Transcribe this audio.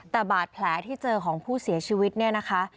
แต่บาดแผลที่เจอของผู้เสียชีวิตเนี่ยนะคะ